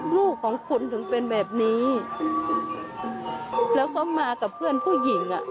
ลูกของคุณถึงเป็นแบบนี้แล้วก็มากับเพื่อนผู้หญิงอ่ะ